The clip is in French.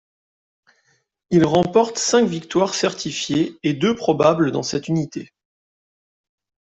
Il remporte cinq victoires certifiées et deux probables dans cette unité.